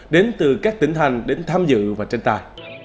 đến từ các tỉnh hành đến tham dự và tranh tài